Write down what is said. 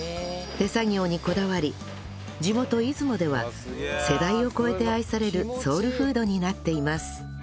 手作業にこだわり地元出雲では世代を超えて愛されるソウルフードになっています